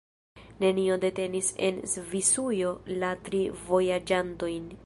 Nenio detenis en Svisujo la tri vojaĝantojn.